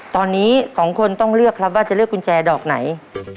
ตอนนี้สองคนต้องเลือกครับว่าจะเลือกกุญแจดอกไหน